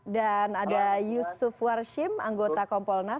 dan ada yusuf warshim anggota kompol nas